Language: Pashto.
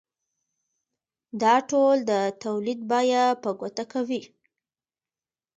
دا ټول د تولید بیه په ګوته کوي